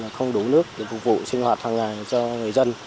không đủ nước để phục vụ sinh hoạt hàng ngày cho người dân